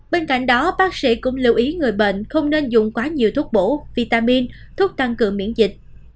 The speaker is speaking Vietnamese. bên cạnh đó bác sĩ cũng lưu ý người bệnh không nên dùng quá nhiều thuốc bổ vitamin thuốc tăng cường miễn dịch